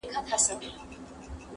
د کلي فضا ورو ورو بيا عادي کيږي،